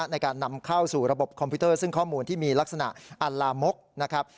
ในการนำเข้าสู่ระบบคอมพิวเตอร์ซึ่งข้อมูลที่มีลักษณะอัลลามกนะครับ